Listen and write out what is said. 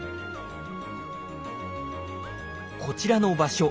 こちらの場所